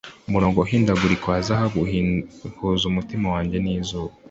Umurongo uhindagurika wa zahabu uhuza umutima wanjye n'izuba